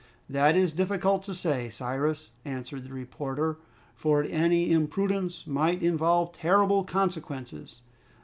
"That is difficult to say, Cyrus," answered the reporter, "for any imprudence might involve terrible consequences.